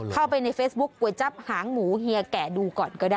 เข้าไปในเฟซบุ๊คก๋วยจับหางหมูเฮียแก่ดูก่อนก็ได้